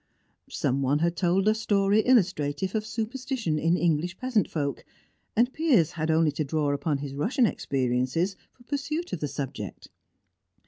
Someone had told a story illustrative of superstition in English peasant folk, and Piers had only to draw upon his Russian experiences for pursuit of the subject.